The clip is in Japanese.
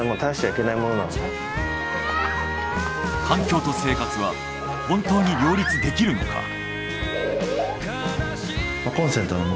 環境と生活は本当に両立できるのか？